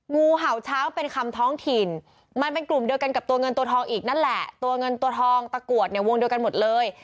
งูเห่าเช้าเป็นคำท้องถิ่นมันเป็นกลุ่มเดียวกันกับตัวเงินตัวทองอีกนั่นแหละตัวเงินตัวทองตะกรวดเนี่ยวงเดียวกันหมดเลย